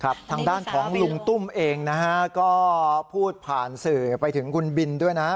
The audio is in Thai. ทางด้านของลุงตุ้มเองนะฮะก็พูดผ่านสื่อไปถึงคุณบินด้วยนะ